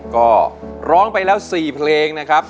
ก็ร้องไปแล้ว๔เพลงนะครับ